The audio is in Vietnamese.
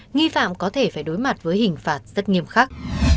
nghi phạm có thể phải đối mặt với hình phạt rất nghiêm khắc